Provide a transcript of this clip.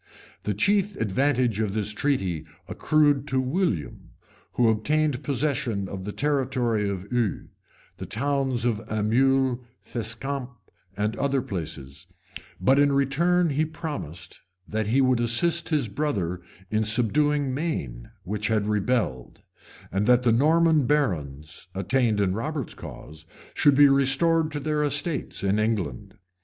The chief advantage of this treaty accrued to William, who obtained possession of the territory of Eu, the towns of Aumule, Fescamp, and other places; but in return he promised, that he would assist his brother in subduing Maine, which had rebelled; and that the Norman barons, attainted in Robert's cause, should be restored to their estates in England.